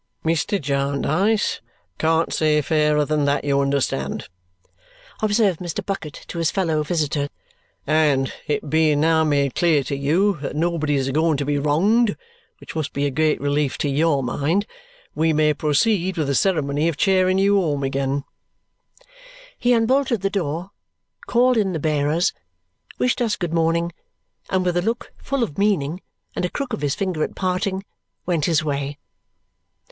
"Mr. Jarndyce can't say fairer than that, you understand," observed Mr. Bucket to his fellow visitor. "And it being now made clear to you that nobody's a going to be wronged which must be a great relief to YOUR mind we may proceed with the ceremony of chairing you home again." He unbolted the door, called in the bearers, wished us good morning, and with a look full of meaning and a crook of his finger at parting went his way.